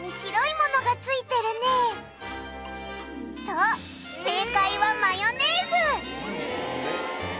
そう正解はマヨネーズ！